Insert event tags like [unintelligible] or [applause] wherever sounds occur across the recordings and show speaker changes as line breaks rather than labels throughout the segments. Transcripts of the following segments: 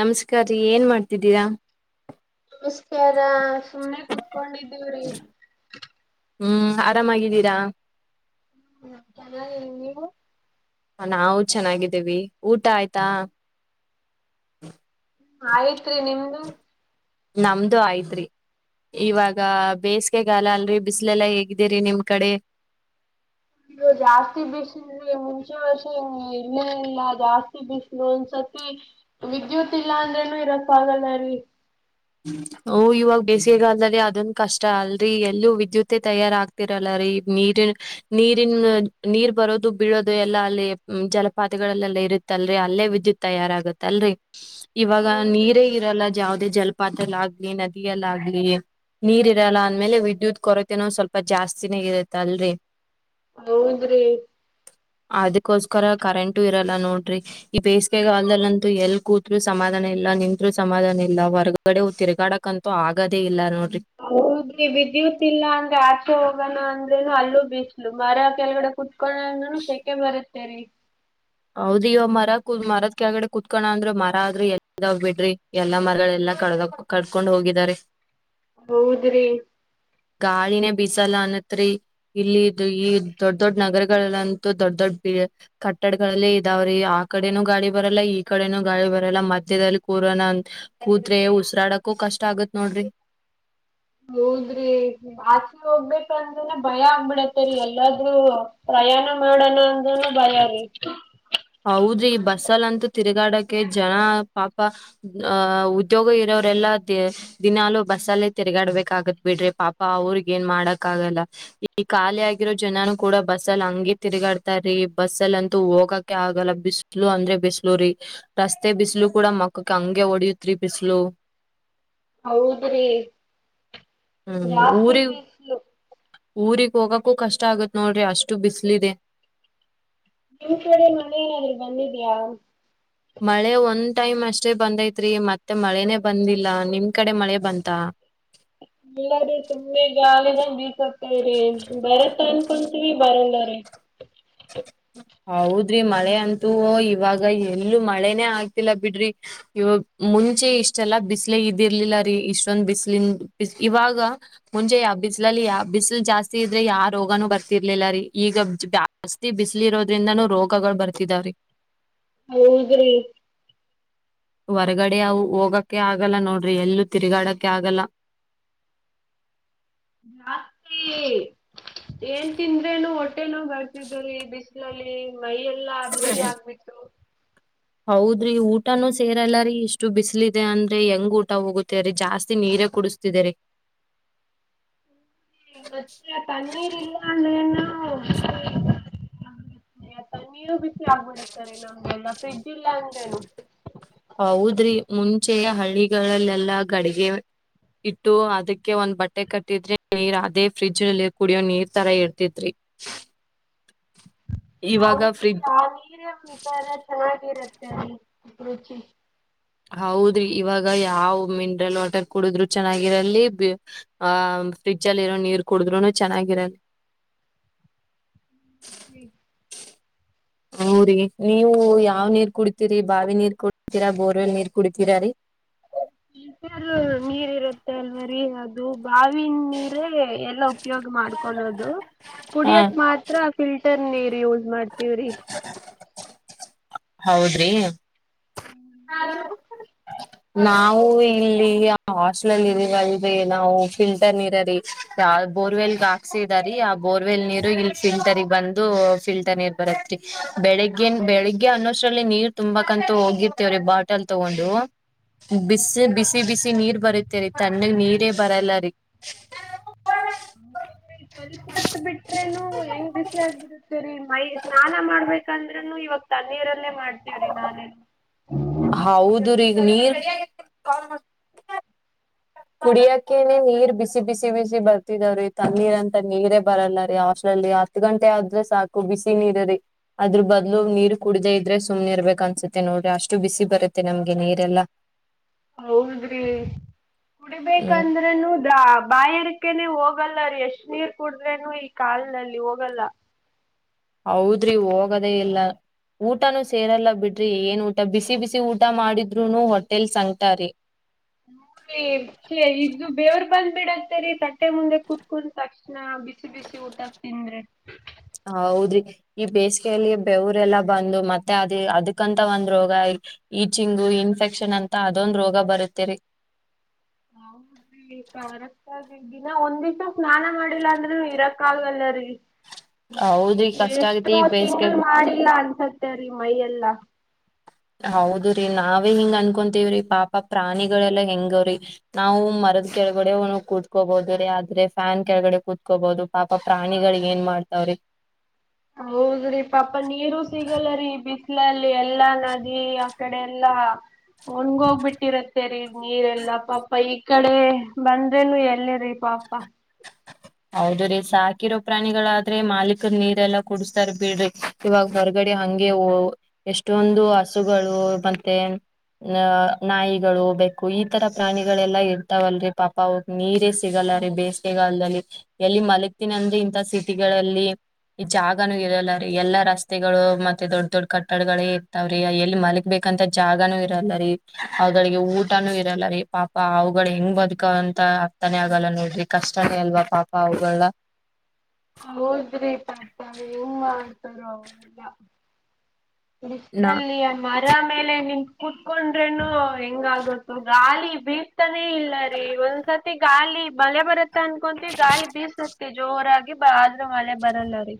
ನಮಸ್ಕಾರಾರಿ ಏನ್ ಮಾಡ್ತಿದ್ದೀರಾ
ಇಷ್ಟೇ ಅಾರ ಸುಮ್ನೆ ಕುೂತ್ಕೊಂಡಿದ್ದೇವ್ರಿ
ಹ್ಮ್ ಆರಾಮಾಗಿದ್ದೀರಾ
ಹ್ಮ ಚೆನ್ನ ನೀವು
ನಾವು ಚೆನ್ನಾಗಿದ್ದೀವಿ ಊಟ ಆಯ್ತಾ
ಹ್ಮ ಆಯ್ತ್ರಿ ನಿಮ್ದು
ನಮ್ದು ಆಯತ್್ರಿ ಇವಾಗ ಬೇಸಿಗೆಗಾಲ ಅಲ್ರರಿ ಬಿಸ್ಲೆಲ್ಲಾ ಹೇಗ್ದಿರಿ ನಿಮ್ ಕಡೆ
ನೀದು ಜಾಸ್ತಿ ಬಿಸಲ್ರಿ ಮುಂಚೆ ವರ್ಷ ಇಲ್ಲೇ ಇಲ್ಲ ಜಾಸ್ತಿ ಬಿಸಲು ಒಂದ್ಸತಿ ವಿದ್ಯುತ್ ಇಲ್ಲ ಅಂದ್ರೇನು ಇರಕ್ಕ ಆಗಲ್ಲರೀ
ಓ ಇವಾಗ ಬೇಸಿಗೆಗಲ್ದಲ್ಲಿ ಅದನ್ ಕಷ್ಟ ಅಲ್ರರಿ ಎಲ್ಲೂ ವಿದ್ಯುತ್ೇ ತಯಾರ ಆಗ್ತಿರಲ್ಲರರಿ ನೀರಿನ್ ನೀರಿನ್ ನೀರ್ ಬರೋದು ಬೀಳೋದು ಎಲ್ಲಾ ಅಲ್ಲಿ ಜಲಪಾತಿಗಳಲ್ಲೆಲ್ಲ ಇರುತ್ತಲ್ರಿ ಅಲ್ಲೇ ವಿದ್ಯುತ್ ತಯಾರಾಗತ್ತಲ್ರಿ ಇವಾಗ
ಹೌದ್ರಿ
ನೀರೇ ಇರಲ್ಲ ಜಾವ್ದೇ ಜಲ ಪಾತ್ಲ್ಲ ಆಗ್ಲಿ ನದಿಯಲ್ಲಾಗಲಿ ನೀರ್ ಇರಲ್ಲ ಅಂದ್ಮೇಲೆ ವಿದ್ಯುತ್ ಕೊರತೆನೂ ಸ್ವಲ್ಪ ಜಾಸ್ತಿನೇ ಇರತ್ತ ಅಲ್ರರಿ
ಹೌಂದ್ರೀ
ರ ಕರೆಂಟು ಇರಲ್ಲ ನೋಡ್ರಿ ಈ ಬೇಸಿಗೆಗಾಲದಲ್ಲಂತೂ ಎಲ್ ಕೂತ್ರು ಸಮಾಧಾನ ಇಲ್ಲ ನಿಂತತ್್ರು ಸಮಾಧಾನ ಇಲ್ಲ ವರ್ಗ ಗಡೆವು ತಿಗಾಡಕ್ ಅಂತೂ ಆಗದೇ ಇಲ್ಲ ನೋಡ್ರಿ
ಹ ವಿದ್ಯುತ್ ಇಲ್ಲ ಅಂದ್ರೆ ಆಚೆ ಹೋಗಣ ಅಂದ್ರೇನು ಅಲ್ಲೂ ಬಿಸಲು ಮರ ಕೆಳಗಡೆ ಕುೂ ಶಖೆ ಬರ ಸರಿ
ಹೌದ ಇವ ಮರ ಮರದ ಕೆಳಗಡೆ ಕುೂತ್ಕೋಣ ಅಂದ್ರ ಮರ ಆದ್ರೆ ಎಾಗ ಬಿಡ್ರಿ ಎಲ್ಲಾ ಮರಗಳೆಲ್ಲಾ ಕಡ ಕಡ್ಕೊಂಡ್ ಹೋಗಿದಾರಿ
ಹೌದ್ರಿ
ಗಾಳಿನೇ ಬೀಿಸಲ್ಲ ಅನತ್ರಿ ಇಲ್ಲಿ ಈ ದೊಡ್ ದೊಡ್ಡ ನಗರಗಳಲ್ಲಂತೂ ದೊಡ್ಡ ದೊಡ್ಡ ಕಟ್ಟಡ ಗಳಲ್ಲಿ ಇದಾವ್ರಿ ಆ ಕಡೆನೂ ಗಾಡಿ ಬರಲ್ಲ ಈ ಕಡೆನೂ ಗಾಳಿ ಬರಲ್ಲ ಮಧ್ಯದಲ್ಲಿ ಕೋರೋನಾ ಅ ಕೂತ್್ರೆ ಉಸರಾಡಕೂ ಕಷ್ಟ ಆಗತ್ ನೋಡ್ರಿ
ಹೌದ್ರಿ ಆಸೆ ಹೋಗ್ಬೇಕಂದ್ರನ ಭಯ ಆ ಮಾಡತರಿೀ ಎಲ್ಲಾದೂ ಪ್ರಯಾಣ ಮಾಡೋಣ ಅಂದನು ಭಯಾರಿ
ಹೌದ್ರಿ ಈ ಬಸ್ಲ್ಲಂತೂ ತಿರುಗಾಡಕ ಜನ ಪಾಪ ಅಹ ಉದ್ಯೋಗ ಇರೋರೆಲ್ಲಾ ದ ದಿನಾಲೂ ಬಸ್ಸಲ್ಲೇ ತಿರುಗಾಡ್ಬೇಕಗತ್ ಬಿಡ್ರಿ ಪಾಪ ಅವ್ರಗ ಏನ್ ಮಾಡಕ್ ಆಗಲ್ಲ ಈ ಖಾಲಿ ಆಗಿರೋ ಜನನುೂ ಕೂಡ ಬಸ್ಸಲ್ ಹಂಗಿ ತಿರ್ಗಾಡ್ತಾರಿ ಬಸ್ಸ ಅಲ್ಲಂತೂ ಹೋಗಕ್ ಆಗಲ್ಲ ಬಿಸಲು ಅಂದ್ರೆ ಬಿಸ್ಲುೂ ರೀ ರಸ್ತೆ ಬಿಸಿಲು ಕೂಡ ಮಕ್ಕಕ್ಕ ಹಂಗೆ ಹೊಡಿಯತ್ರಿ ಬಿಸಲು
ಹೌದ್ರಿ
ಹ್ಮ್
ಜಾಸ್ತಿ ಬೀಿಸಲು
ಹೋಗಕೂ ಕಷ್ಟ ಆಗತ್ ನೋಡ್ರಿ ಅಷ್ಟು ಬಿಸಿಲಿದೆ
ನಿಮ್ ಕಡೆ ಮನ ಏನಾದ್ರು ಬಂದಿದ್ಯಾಾ
ಮಳೆ ಒಂದ್ ಟೈಮ್ ಅಷ್ಟೇ ಬಂದೈತ್ರಿ ಮತ್ತೆ ಮಳೇನೆ ಬಂದಿಲ್ಲ ನಿಮ್ ಕಡೆ ಮಳೆ ಬಂತ
ಎಲ್ಲಾರು ಸುಮ್ಮನೆ ಗಾಳಿದಾ ಬೀಸಾ ಬರತ್ತ ಅನ್ಕೊಂತರಿ ಬರಂಗ ಹ [inaudible]
ಹೌದ್ರಿ ಮಳೆ ಅಂತೂ ಇವಾಗ ಎಲ್ಲೂ ಮಳೆನೇ ಆಗ್ತಿಲ್ಲ ಬಿಡ್ರಿ ಇವ ಮುಂಚೆ ಇಷ್ಟೆಲ್ಲಾ ಬಿಸಲ ಇದಿರ್ಲಿಲ್ಲ ರೀ ಇಷ್ಟೊಂದ್ ಬಿಸಿಲನ್ ಬ ಇವಾಗ ಮುಂಚೆ ಯಾವ ಬಿಸಿ್ಲಲ್ಲಿ ಯಾವ ಬಿಸಿಲು ಜಾಸ್ತಿ ಇದ್ರೆ ಯಾವ ರೋಗಾನೂ ಬರ್ತಿರ್ಲಿಲ್ಲ ರೀ ಈಗ ಜಾಸ್ತಿ ಬಿಸಿ್ ರೋದ್ರಿಂದನೂ ರೋಗಗಳು ಬರ್ತಿದಾವ
ಹೌದ್ರಿ
ಹೊರಗಡೆ ಅವು ಹೋಗಕ್ಕೆ ಆಗಲ್ಲ ನೋಡ್ರಿ ಎಲ್ಲೂ ತಿರುಗಾಡಕ್ಕೆ ಆಗಲ್ಲ
ಜಾಸ್ತಿ ಏನ್ ತಿಂದ್ರೇನು ಒಟ್ಟ [inaudible] ಲ್ಲಿ ಮೈ ಎಲ್ಲಾ ಬಿಸಿ ಆಗ್ಬಿಟ್ಟು
ಹೌದ್ರಿ ಊಟಾನೂ ಸೇರಲ್ಲರಿೀ ಇಷ್ಟು ಬಿಸಲಿದೆ ಅಂದ್ರೆ ಹೆಂಗ್ ಊಟ ಹೋಗತೇರೀ ಜಾಸ್ತಿ ನೀರೇ ಕುಡಸ್ತಿದೆರಿ.
ಮತ್ತೆ ಆ ತಣ್ಣೀರ್ ಇಲ್ಲ ಅಂದ್ರೇನು ಆ ತಣ್ಣೀರು ಬಿಸಿ ಆಗ್ಬಿಡತಾರೆ ನಮ್ಗೆಲ್ಲ ಫ್ರಿಡ್ಜ್ ಇಲ್ಲ ಅಂದ್ರೇನು,
ಹೌದ್ರಿ ಮುಂಚೆಯ ಹಳ್ಳಿಗಳಲ್ಲೆಲ್ಲಾ ಗಡಿಗೆ ಇಟ್ಟು ಅದಕ್ಕೆ ಒಂದ್ ಬಟ್ಟೆ ಕಟ್ಟಿದ್ರಿ ನೀರ್ ಅದೇ ಫ್ರಿಜ್ ನಲ್ಲಿ ಕುಡಿಯೋ ನೀರ್ ತರ ಇರ್ತಿದ್ರಿ
ಹೌದು ಆ ನೀರ್ ಮುಂ ಎಲ್ಲ ಚೆನ್ನಾಗಿರುತ್ತೆ ಅಲ್ಲಿ ಪರುಚಿ
ಹೌದ್ರಿ ಇವಾಗ ಯಾವ್ ಮಿನರಲ್ ವಾಟರ್ ಕುಡಿದ್ರು ಚೆನ್ನಾಗಿರಲಿ ಆಹ ಫ್ರಿಜ ಅಲ್ಲಿ ಇರೋ ನೀರ್ ಕುಡಿದ್ರುನು ಚೆನ್ನಾಗಿರಲಿ.
ಹ
ಹ್ರುರಿ ನೀವು ಯಾವ್ ನೀರ್ ಕುಡಿತೀರಿ ಬಾವಿ ನೀರ್ ಕುಡಿತೀರಾ ಬೋರ್ವೆಲ್ ನೀರ್ ಕುಡಿತೀರ ರೀ
ಮತ್ತಾದರು ನೀರ್ ಇರುತ್ತೆ ಲ್ವರಿ ಅದು ಬಾವಿನ ನೀರ ಎಲ್ಲಾ ಉಪಯೋಗ ಮಾಡ್ಕೊಳ್ಳದು
ಹಾ
ಕುಡಿಯಕ್ ಮಾತ್ರ ಫಿಲ್ಟರ್ ನೀರ್ [inaudible] ಮಾಡ್ತೀವ್ರಿ
ಹೌದ್ರಿ
ಹ್ಮ್ ನೀವು
ನಾವು ಇಲ್ಲಿ ಆ ಹಾಸ್ಟ್ಲಲ್ ಇದಿವಲರಿ ನಾವು ಫಿಲ್ಟರ್ ನೀರ ರೀ ಯ ಬೋರ್ವೆಲ್ ಹಾಕ್ಸಿದಾರಿ ಆ ಬೋರ್ವೆಲ್ ನೀರು ಇಲ್ಲಿ ಫಿಲ್ಟರ್ಗ ಬಂದು ಫಿಲ್ಟರ್ ನೀರ್ ಬರತ್ರಿ ಬೆಳಗ್ಗನ್ ಬೆಳಗ್ ಗೆ ಅನ್ನೊಷ್ಟ್ರಲ್ಲಿ ನೀರ್ ತುಂಬಾಕಂತೂ ಹೋಗಿರ್ತೇವ್ರೀ ಬಾಟಲ್ ತಗೊಂಡು ಬಿಸಿ ಬಿಸಿ ಬಿಸಿ ನೀರ್ ಬರತ್ತೇವ ರೀ ತಣ್ಣಗ್ ನೀರೇ ಬರಲ್ಲ ರೀ
ಸ್ವಲ್ಪ ಹೊತ್ತು ಬಿಟ್ರನು ಹೆಂಗ್ ಬಿಸಿ ಆಗ್ಬಿಡತ್ತೇರೀ ಮೈ ಸ್ನಾನ ಮಾಡ್ಬೇಕಂದ್ರೂನು ಇವಾಗ ತಣ್ಣೀರಲ್ಲೇ ಮಾಡ್ತೇವ್ರಿ ನಾನೇ.
ಹೌದು ರೀಗ ನೀರ್ ಕುಡಿಯಕೇನೆ ನೀರ್ ಬಿಸಿ ಬಿಸಿ ಬಿಸಿ ಬರ್ತಿದಾವ್ರಿ ತಣ್ಣೀರ್ ಅಂತ ನೀರೇ ಬರಲ್ಲ ರೀ ಹಾಸ್ಟೆಲ್ನಲ್ಲಿ ಹತ್ ಗಂಟೆ ಆದ್ರೆ ಸಾಕು ಬಿಸಿ ನೀರ ರೀ ಅದ್ರ ಬದ್ಲು ನೀರ್ ಕುಡ್ದೇ ಇದ್ರೆ ಸುಮ್ನೆ ಇರ್ಬೇಕ ಅನ್ಸತ್ತೆ ನೋಡ್ರಿ ಅಷ್ಟು ಬಿಸಿ ಬರತ್ತೆ ನಮ್ಗೆ ನೀರೆಲ್ಲಾ.
ಹೌದ್ರಿ
ಹ್ಮ್
ಕುಡ್ಬೇಕಂದ್ರನು ದ ಬಾಯರ್ಕನೆ ಹೋಗ ಹೋಗಲ್ಲೀ ಎಷ್ಟ್ ನೀರ್ ಕುಡದ್ರೇನು ಈ ಕಾಲ್ ನಲ್ಲಿ ಹೋಗಲ್ಲ
ಹೌದ್ರಿ ಹೋಗದೇ ಇಲ್ಲ ಊಟಾನೂ ಸೇರೆಲ್ಲ ಬಿಡ್ರಿ ಏನ್ ಊಟ ಬಿಸಿ ಬಿಸಿ ಊಟ ಮಾಡಿದ್ರುನು ಹೊಟೆಲಿ ಸಂಕಟಾರಿ
ಹುರಿ ಇದ್ದು ಬೇವ್ರ ಬಂದ್ ಬಿಡತ್ತೇರಿ ತಟ್ಟೆ ಮುಂದೆ ಕುತ್ಕ ತಕ್ಷಣ ನಾ ಬಿಸಿ ಬಿಸಿ ಊಟಕ್ ತಿಂದ್ರೆ
ಹೌದ್ರಿ ಈ ಬೇಸಿಗೆಯಲ್ಲಿ ಬೆವರೆಲ್ಲ ಬಂದು ಮತ್ತೆ ಅದ ಅದಕ್ಕಂತ ಒಂದ್ ರೋಗ ಈ ಚಿಂಗು ಇನ್ಫೆಕ್ಷನ್ ಅಂತ ಅದೊಂದ್ ರೋಗ ಬರತ್ತೇರಿ
ಹೌದ್ರಿ ಕರೆಕ್ಟ್ ಗೆ ದಿನ ಒಂದ್ ದಿವಸಾ ಸ್ನಾನ ಮಾಡಿಲ್ಲ ಅಂದ್ರೂ ಇರಕ್ ಆಗಲ್ಲರಿ
ಹೌದ್ರಿ ಕಷ್ಟ ಆಗತಿ
ಎಷ್ಟೋ
ಈ
ತಿಂಗಳು
ಬೇಸಿಗೆ
ಮಾಡಿಲ್ಲ ಅನಸತೆ ರಿ ಮೈ ಎಲ್ಲ
ಹೌದ್ರೀ ನಾವೇ ಹಿಂಗ್ ಅನ್ಕೊತೀವ್ರಿ ಪಾಪ ಪ್ರಾಣಿಗಳೆಲ್ಲಾ ಹೆಂಗವ್ರಿ ನಾವು ಮರದ ಕೆಳಗಡೆ ಕೂತ್ಕೋಬೋದ್ರೀ ಆದ್ರೆ ಫ್ಯಾನ್ ಕೆಳಗಡೆ ಕೂತ್ಕೋಬಹದು ಪಾಪ ಪ್ರಾಣಿಗಳ ಏನ್ ಮಾಡ್ತಾವ್ರಿ
ಹೌದ್ರಿ ಪಾಪ ನೀರು ಸಿಗಲ್ಲರಿ ಬಿಸಿಲಲ್ಲಿ ಎಲ್ಲಾ ನದಿ ಆಕಡೆ ಎಲ್ಲಾ ಒಣಗೋಗ್ಬಿಟ್ಟಿರತ್ತೇರಿ ನೀರೆಲ್ಲಾ ಪಾಪ ಈ ಕಡೆ ಬಂದ್ರೇನು ಎಲ್ಲರಿ ಪಾಪ.
ಹೌದ್ರೀ ಸಾಕಿರೋ ಪ್ರಾಣಿಗಳಾದ್ರೆ ಮಾಲೀಕರು ನೀರೆಲ್ಲಾ ಕುಡಸ್ತಾರ ಬಿಡ್ರಿ ಇವಾಗ ಹೊರಗಡೆ ಹಂಗೆ ಎಷ್ಟೊಂದು ಹಸುಗಳು ಮತ್ತೆ ಅಹ ನಾಯಿಗಳು, ಬೆೇಕು ಈತರ ಪ್ರಾಣಿಗಳೆಲ್ಲಾ ಇರ್ತಾವಲ್ರರಿ ಪಾಪ ಹೋಗ ನೀರೇ ಸಿಗಲ್ಲ ರೀ ಬೇಸಿಗೆಗಾಲ್ದಲ್ಲಿ ಎಲ್ಲಿ ಮಲಗ್ತೀನಿ ಅಂದ್ರೆ ಇಂತ ಸಿಟಿಗಳಲ್ಲಿ ಜಾಗನೂ ಇರಲ್ಲ ರೀ ಎಲ್ಲಾ ರಸ್ತೆಗಳು ಮತ್ತೆ ದೊಡ್ಡ ದೊಡ್ಡ ಕಟ್ಟಡಗಳೇ ಇರ್ತವ್ರಿ ಎಲ್ಲಿ ಮಲಗ್ಬೇಕಂತ ಜಾಗನೂ ಇರಲ್ಲರಿ ಅವಗಳಿಗೆ ಊಟನು ಇರಲ್ಲ ರಿ ಪಾಪ ಅವುಗಳ ಹೆಂಗ್ ಬದ್ಕಂತ ಅರ್ಥನೇ ಆಗಲ್ಲ ನೋಡ್ರಿ ಕಷ್ಟನೇ ಅಲ್ವಾ ಪಾಪ ಪಾವಗಳಲ್ಲ
ಹೌದ್ರಿ ಪಾಪ ಹೆಂಗ ಮಾಡ್ತಾರ ಅವೆಲ್ಲಾ
ನಾ
ತಳಸಿಯಲ್ಲಿ ಮರಾ ಮೇಲೆ ನಿನ್ ಕುತ್ಕೊಂಡ್ರೇನು ಹೆಂಗಗುತ್ತತ್ತು ಗಾಲಿ ಬೀಸ್ತಾನೇ ಇಲ್ಲ ರೀ ಒಂದ್ಸರ್ತಿ ಗಾಲಿ ಮಳೆ ಬರುತ್ತ ಅನ್ಕೊಂತ ಗಾಲಿ ಬೀಸುತ್ತತಿ ಜೋರಾಗಿ ಬ ಮಳೆ ಬರಲ್ಲ ಅವ್ರೀ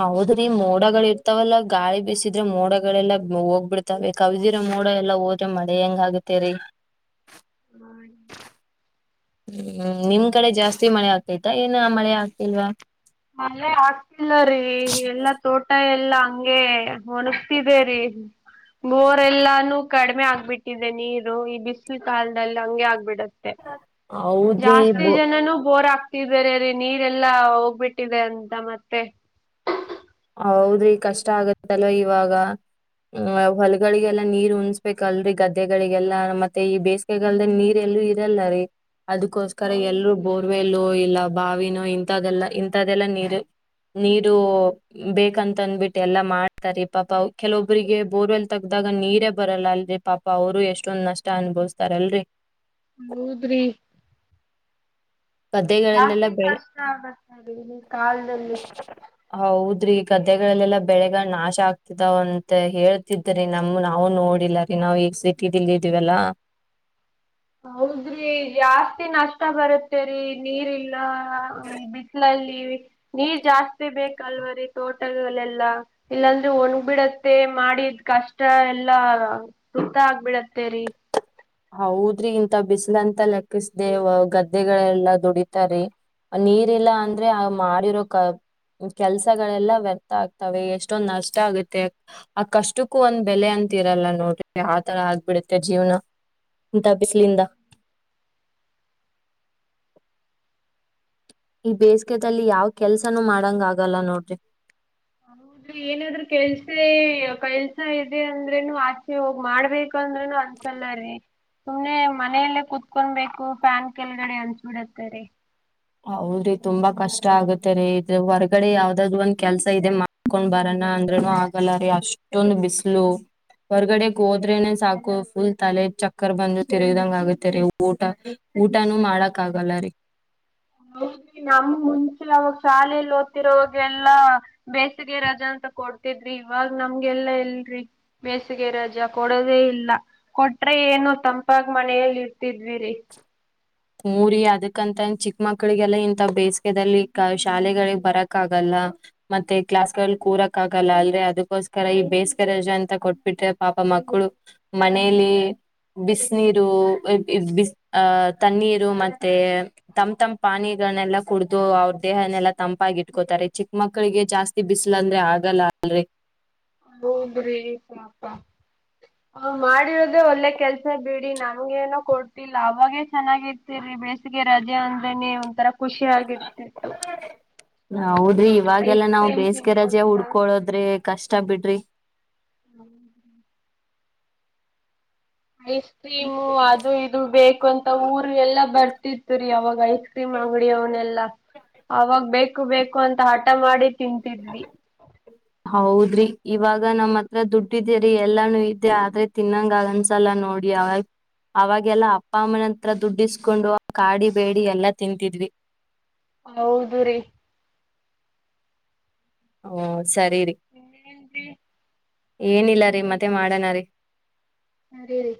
ಹೌದ್ರಿ ಮೋಡಗಳ ಇರ್ತಾವಲ್ಲಾ ಗಾಳಿ ಬಿಸಿದ್ರೆ ಮೋಡಗಳೆಲ್ಲ ಹೋಗ್ಬಿಡ್ತಾವೆ ಕವಿದಿರ ಮೋಡ ಎಲ್ಲಾ ಹೋದ್ರೆ ಮಳೆ ಹೆಂಗ ಆಗತ್ತೇ ರೀ
ಹ್ಮ್
ಹ್ಮ್ ನಿಮ್ ಕಡೆ ಜಾಸ್ತಿ ಮಳೆ ಆಗ್ತೈತಾ ಏನ್ ಮಳೆ ಆಗ್ತಿಲ್ವಾ
[unintelligible] ಇಲ್ಲ ರೀ ಎಲ್ಲಾ ತೋಟ ಎ ಎಲ್ಲ ಹಂಗೆ ಒಣಗ್ತಿದೆ ರೀ ಬೋರೆ ಎಲ್ಲಾನು ಕಡಿಮೆ ಆಗ್ಬಿಟ್ಟಿದೆ ನೀರು ಈ ಬಿಸಿಲು ಕಾಲದಲ್ಲಿ ಹಂಗೆ ಆಗ್ಬಿಡತ್ತೆ ತ್ತ
ಹೌದ್ರಿ
ಜಾಸ್ತಿ ಜನನು ಬೋರ್ ಆಗ್ತ ರ ರೀ ನೀರೆಲ್ಲಾ ಹೋಗ್ಬಿಟ್ಟಿದೆ ಅಂತ ಮತ್ತೆ
ಹೌದ್ರಿ ಕಷ್ಟ ಆಗತ್ತಲ್ವ ಇವಾಗ ಹ್ಮ್ ಹೊಲಗಳಿಗೆಲ್ಲಾ ನೀರ್ ಉಣಸ್ಬೇಕಲ್ರರಿ ಗದ್ದೆಗಳಿಗೆಲ್ಲಾ ಮತ್ತೆ ಈ ಬೇಸಿಗೆಗಲ್ದ ನೀರ್ ಎಲ್ಲೂ ಇರಲ್ಲರಿ ಅದಕ್ಕೋಸ್ಕರ ಎಲ್ರೂ
ಹೌದ್ರಿ
ಬೋರ್ವೆಲ್ಲ ಇಲ್ಲ ಬಾವಿನ ಇಂತದೆೆಲ್ಲಾ ಇಂತ್ದೆಲ್ಲಾ ನೀರು ನೀರು ಬೇಕಂತ ಅಂದಬಿಟ್ಟ ಎಲ್ಲಾ ಮಾಡ್ತಾರಿ ಪಾಪ ಕೆಲವೊಬ್ರರಿಗೆ ಬೋರ್ವೆಲ್ ತಗ್ದಾಗ ನೀರೇ ಬರಲ್ಲ ಅಲ್ರರಿ ಪಾಪ ಅವರು ಎಷ್ಟೊಂದ್ ನಷ್ಟ ಅನ್ಭವಸ್ತಾರಲ್ರಿ
ಹೌದ್ರಿ
ಗದ್ದೆಗಳಲ್ಲೆಲ್ಲ
ಜಾಸ್ತಿ
ಬೆಳೆ
ಕಷ್ಟ ಆಗತ್ ಮ ಇಲ್ಲಿ ಕಾಲದಲ್ಲಿ
ಆದ್ರ ಈ ಗದ್ದೆಗಳಲ್ಲೆಲ್ಲಾ ಬೆಳೆಗ ನಾಶ ಆಗ್ತಿದಾವ ಅಂತ ಹೇಳ್ತಿದ್ರೀ ನಮ ನಾವು ನೋಡಿಲ್ಲ ರೀ ನಾವವು ಈ ಸಿಟಿದಿಲ್ ಇದೀವಲ್ಲ
ಹೌದ್ರಿ ಜಾಸ್ತಿ ನಷ್ಟ ಬರುತ್ತೇರಿ ನೀರ್ಲ್ಲ ಬಿಸಿಲಲ್ಲಿ ನೀರ್ ಜಾಸ್ತಿ ಬೇಕಲ್ವ ರೀ ತೋಟಗಳಲ್ಲೆಲ್ಲಾ ಇಲ್ಲಾಂದ್ರೆ ಒಣಬಿಡತ್ತೆ ಮಾಡಿದ್ ಕಷ್ಟ ಎಲ್ಲಾ ಸುತ ಆಗ್ಬಿಡತ್ತೇರಿ
ಹೌದ್ರಿ ಇಂತ ಬಿಸಿಲು ಅಂತ ಲೆಕ್ಕಿಸ್ದೇವ್ ಗದ್ದೆಗಳೆಲ್ಲಾ ದುಡಿತಾರಿ ನೀರಿಲ್ಲ ಅಂದ್ರೆ ಆ ಮಿರೋ ಕ ಕೆಲ್ಸಗಳೆಲ್ಲ ವ್ಯರ್ಥ ಆಗ್ತವೆ ಎಷ್ಟೊಂದ್ ನಷ್ಟ ಆಗುತ್ತೆ ಆ ಕಷ್ಟಕ್ಕೂ ಒಂದ್ ಬೆಲೆ ಅಂತಿರಲ್ಲ ನೋಡ್ರಿ ಆತರ ಆಗ್ಬಿಡತ್ತೆ ಜೀವನ ದಬಿಸಿಲಿಂದ ಈ ಬೇಸಿಗೆದಲ್ಲಿ ಯಾವ ಕೆಲ್ಸನೂ ಮಾಡಂಗ ಆಗಲ್ಲ ನೋಡ್ರಿ
ಹದ್ರಿ ಏನಾದ್ರರು ಕೆಲ್ಸೇ ಕೆಲ್ಸ ಇದೆ ಅಂದ್ರೂನು ಆಚೆ ಹೋಗ್ ಮಾಡ್ಬೇಕು ಅಂದ್ರೂನು ಅನ್ಸಲ್ಲ ರೀ ಸುಮ್ನೆ ಮನೆಯಲ್ಲೇ ಕುೂತ್ಕೊಬೇಕು ಫ್ಯಾನ್ ಕೆಳಗಡೆ ಅನ್ಸ್ಬಿಡತ್ತರಿ
ಹೌದ್ರಿ ತುಂಬಾ ಕಷ್ಟ ಆಗತ್ತರಿೀ ಇದ್ರೆ ಹೊರ್ಗಡೆ ಯಾವ್ದಾದ್ ಒಂದ್ ಕೆಲ್ಸ ಇದೆ ಮಾಡ್ಕೊಂಡ್ ಬರಣ ಅಂದ್ರನು ಆಗಲ್ಲ ರೀ ಅಷ್ಟೊಂದು ಬಿಸ್ಲು ಹೊರ್ಗಡೆಗ್ ಹೋದ್ರೆನೆ ಸಾಕು ಫುಲ್ ತಲೆ ಚಕ್ಕರ್ ಬಂದು ತಿರಗದಂಗ ಆಗತ್ತ ರರಿ ಊಟ ಊಟಾನೂ ಮಾಡಕ್ ಆಗಲ್ಲ ರೀ
ಹೌದ್ರಿ ನಮ್ ಮುಂಚೆ ಅವಾಗ ಶಾಲೆಯಲ್ಲಿ ಓದ್ತಿರೋವಾಗೆಲ್ಲಾ ಬೇಸಿಗೆ ರಜಾ ಅಂತ ಕೊಡ್ತಿದ್ರಿ ಇವಾಗ ನಮ್ಗೆಲ್ಲಾ ಇಲ್ರಿ ಬೇಸಿಗೆ ರಜಾ ಕೊಡೋದೇ ಇಲ್ಲ ಕೊಟ್ರೆ ಏನೋ ತಂಪಾಗ ಮನೆಯಲ್ಲಿ ಇರ್ತಿದ್ವಿರಿ
ಮೂರಿ ಅದಕ್ಕಂತ ಚಿಕ್ಕ ಮಕ್ಳಿಗೆಲ್ಲ ಇಂಂತ ಬೇಸಿಗೆದಲ್ಲಿ ಶಾಲೆಗಳಿಗೆ ಬರಕ್ಗಲ್ಲ ಮತ್ತೆ ಕ್ಲಾಸ್ಗಳ ಕೂರಕ್ ಆಗಲ್ಲ ಅಲ್ ಅದಕ್ಕೋಸ್ಕರ ಈ ಬೇಸಿಗೆ ರಜೆ ಅಂತ ಕೊಟ್ಬಿಟ್ರೆ ಪಾಪ ಮಕ್ಕಳು ಮನೇಲಿ ಬಿಸ ನೀರು ಬ ತಣ್ಣೀರು ಮತ್ತೆ ತಮ್ ತಮ ಪಾನಿಗಳನ್ನೆಲ್ಲಾ ಕುಡ್ದು ಅವ್ರ ದೇಹನೆೆಲ್ಲಾ ತಂಪಾಗಿ ಇಟ್ಕೋತಾರೆ ಚಿಕ್ಕ ಮಕ್ಳಿಗೆ ಜಾಸ್ತಿ ಬಿಸಿಲ ಅಂದ್ರೆ ಆಗಲ್ಲ ಅಲ್ರಿ
ಹದ್ರಿಪ ಹ ಮಾಡಿರೋದೇ ಒಳ್ಳೆ ಕೆಲ್ಸ ಬಿಡಿ ನಮ್ಗೇನೋ ಕೊಟ್ಟಲ್ಲ ಅವಾಗೇ ಚೆನ್ನಾಗಿರ್ತಿ ಬೇಸಿಗೆ ರಜೆ ಅಂದ್ರೇನನೆ ಒಂತರ ಖುಷಿ ಆಗಿರ್ತಿತ್ತು
ಹೌದ್ರಿ
ಐಸ್
ಇವಾಗೆಲ್ಲಾ ನಾವ್
ಕ್ರೀಮ್
ಬೇಸಿಗೆ ರಜೆ
ತಿನ್ಕೊಂತ
ಉಡ್ಕೊಳೋದ್ರಿ ಕಷ್ಟ ಬಿಡ್ರಿ
ಹ್ಮ್ [unintelligible] ಐಸ್ ಕ್ರೀಮು ಅದು ಇದು ಬೇಕು ಅಂತ ಊರ್ ಎಲ್ಲ ಬರ್ತ ಇ ಇತ್ತು ರೀ ಆವಾಗಯ್ ಬಿಸಿ ಮಾಡ್ಬಿಡಿ ಅವನೆಲ್ಲಾ ಅವಾಗ ಬೇಕು ಬೇಕು ಅಂತ ಹಠ ಮಾಡಿ ತಿಂತಿದ್ವಿ
ಹೌದ್ರಿ ಇವಾಗ ನಮ್ಮ ಹತ್ರ ದುಡ್ಡಿದೇರಿ ಎಲ್ಲಾನು ಇದ್ದೆ ಆದ್ರೆ ತಿನ್ನಂಗಗನ್ಸಲ್ಲ ನೋಡಿ ಅವಾಗ ಅವಾಗೆಲ್ಲಾ ಅಪ್ಪ ಅಮ್ಮನ ಹತ್ರ ದುಡ್ಡಿಸ್ಕೊಂಡು ಕಾಡಿ ಬೇಡಿ ಎಲ್ಲಾ ತಿಂತಿದ್ವಿ
ಹೌದು ರೀ
ಹ ಸರಿ ರೀ
ಇನ್ನೇನ್ರಿ
ಏನಿಲ್ಲ ರೀ ಮತ್ತೆ ಮಾಡನ ರೀ
ಹ್ಮ ರೀ ರೀ